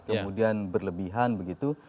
kemudian berlebihan begitu